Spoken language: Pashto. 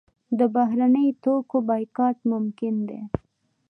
د بهرنیو توکو بایکاټ ممکن دی؟